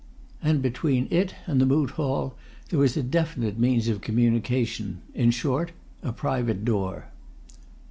And between it and the Moot Hall there was a definite means of communication: in short, a private door.